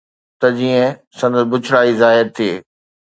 ته جيئن سندس بڇڙائي ظاهر ٿئي